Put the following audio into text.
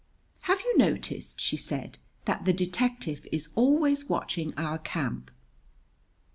"Have you noticed," she said, "that the detective is always watching our camp?"